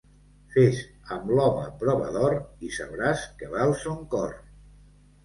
Fes amb l'home prova d'or, i sabràs què val son cor.